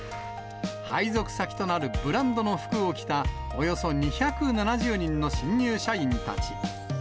配属先となるブランドの服を着た、およそ２７０人の新入社員たち。